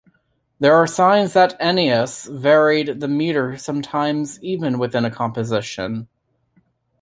There are signs that Ennius varied the metre sometimes even within a composition.